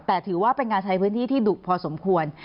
แต่ถือว่าเป็นการใช้พื้นที่ที่ดุพอสมควร